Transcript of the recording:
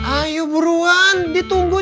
ayo buruan ditunggu tuh